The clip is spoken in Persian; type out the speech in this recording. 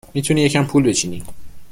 میتونی یه کم پول بچینی